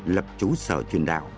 lập chú sở truyền đạo